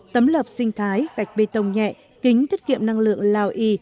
tấm lợp sinh thái gạch bê tông nhẹ kính tiết kiệm năng lượng lào y